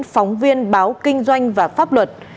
phóng viên báo kinh doanh và pháp luật